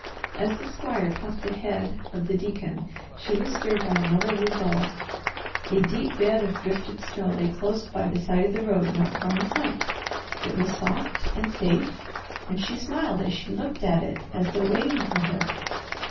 As the squire passed ahead of the deacon she was stirred by a noble resolve. A deep bed of drifted snow lay close by the side of the road not far in front. It was soft and safe and she smiled as she looked at it as though waiting for her.